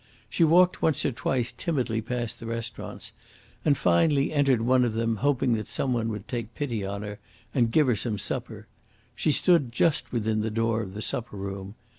She walked once or twice timidly past the restaurants, and, finally, entered one of them, hoping that some one would take pity on her and give her some supper. She stood just within the door of the supper room.